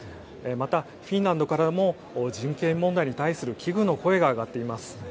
また、フィンランドからも人権問題に対する危惧の声が上がっています。